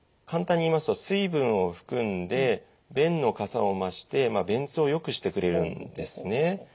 簡単に言いますと水分を含んで便のかさを増して便通をよくしてくれるんですね。